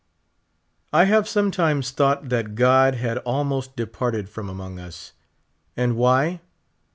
I have sometimes thought that God had almost departed from among us. And why